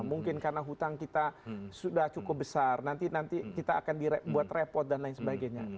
mungkin karena hutang kita sudah cukup besar nanti nanti kita akan dibuat repot dan lain sebagainya